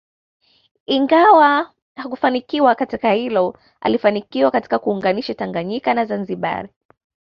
Ingawa hakufanikiwa katika hilo alifanikiwa katika kuunganisha Tanganyika na Zanzibar